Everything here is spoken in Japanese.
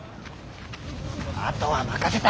あとは任せた。